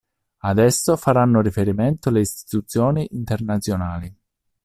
Ad esso faranno riferimento le istituzioni internazionali.